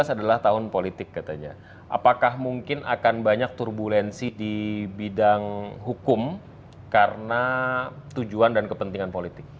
adalah tahun politik katanya apakah mungkin akan banyak turbulensi di bidang hukum karena tujuan dan kepentingan politik